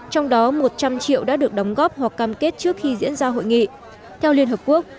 trong đó một trăm linh triệu đã được đóng góp hoặc cam kết trước khi diễn ra hội nghị theo liên hợp quốc